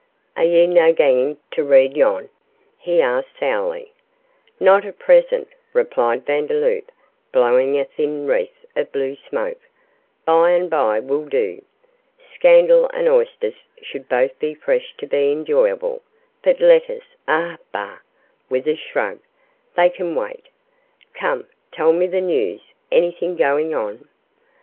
'Are ye no gangin' tae read yon?' he asked sourly. 'Not at present,' replied Vandeloup, blowing a thin wreath of blue smoke, 'by and bye will do. Scandal and oysters should both be fresh to be enjoyable, but letters ah, bah,' with a shrug, 'they can wait. Come, tell me the news; anything going on?